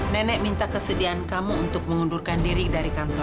nenek minta kesediaan kamu untuk mengundurkan diri dari kantor